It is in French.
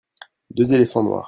deux éléphants noirs.